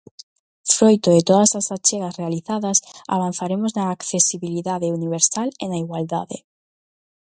Froito de todas as achegas realizadas avanzaremos na accesibilidade universal e na igualdade.